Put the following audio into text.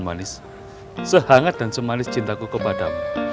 manis sehangat dan semalis cintaku kepada